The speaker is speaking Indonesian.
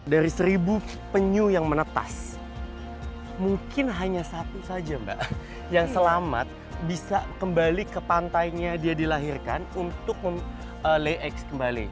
dari seribu penyu yang menetas mungkin hanya satu saja mbak yang selamat bisa kembali ke pantainya dia dilahirkan untuk lay ex kembali